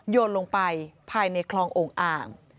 โยนลงไปภายในคลองโอ่งอ่าง